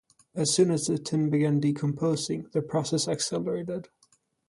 As soon as the tin began decomposing, the process accelerated.